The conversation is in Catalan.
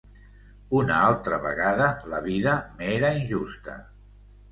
Una altra vegada, la vida m'era injusta.